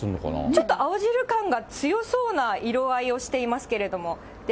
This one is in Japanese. ちょっと青汁感が強そうな色合いをしていますけれども。